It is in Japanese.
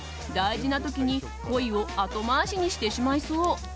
大事な時に恋を後回しにしてしまいそう。